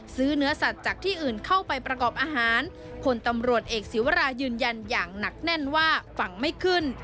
เนื้อสัตว์จากที่อื่นเข้าไปประกอบอาหารผลตำรวจเอกศิวรายืนยันอย่างหนักแน่นว่าฝั่งไม่ขึ้น